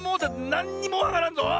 なんにもわからんぞ！